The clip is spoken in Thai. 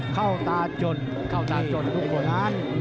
เข้าตาจนทุกคน